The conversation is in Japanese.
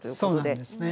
そうなんですね。